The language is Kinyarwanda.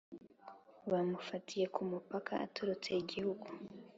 bamufatiye kumpaka atorotse igihugu